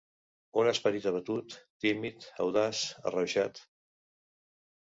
Un esperit abatut, tímid, audaç, arrauxat.